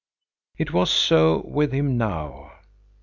It was so with him now.